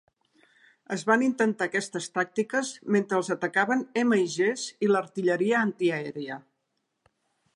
Es van intentar aquestes tàctiques mentre els atacaven MiGs i l'artilleria antiaèria.